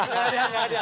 gak ada gak ada